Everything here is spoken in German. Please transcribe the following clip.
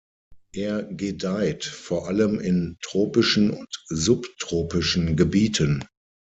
Er gedeiht vor allem in tropischen und subtropischen Gebieten.